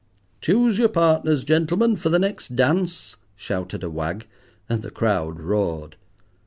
"Choose your partners, gentlemen, for the next dance," shouted a wag, and the crowd roared.